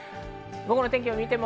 午後の天気です。